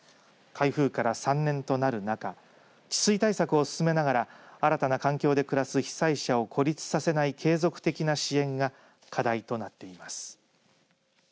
台風から３年となる中治水対策を進めながら新たな環境で暮らす被災者を孤立させない継続的な支援が課題となっています。